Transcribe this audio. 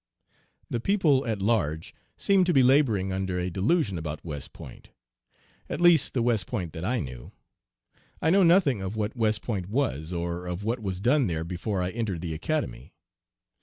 The people at large seem to be laboring under a delusion about West Point, at least the West Point that I knew. I know nothing of what West Point was, or of what was done there before I entered the Academy.